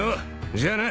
じゃあな。